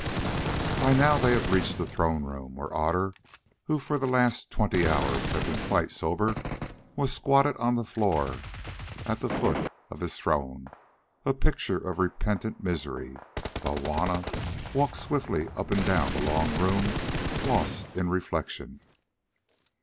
By now they had reached the throne room, where Otter, who for the last twenty hours had been quite sober, was squatted on the floor at the foot of his throne, a picture of repentant misery, while Juanna walked swiftly up and down the long room, lost in reflection.